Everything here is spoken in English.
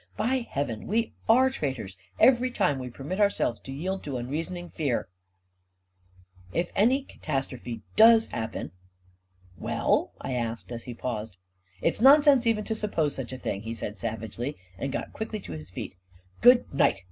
By heaven, we are traitors, every time we permit ourselves to A KING IN BABYLON W $ yield to unreasoning fear ! If any catastrophe does happen ..." Well? " I asked, as he paused. " It's nonsense even to suppose such a thing," he said, savagely, and got quickly to his feet. " Good night